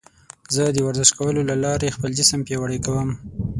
زه د ورزش کولو له لارې خپل جسم پیاوړی کوم.